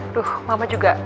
aduh mama juga